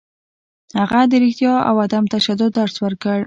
هغه د رښتیا او عدم تشدد درس ورکړ.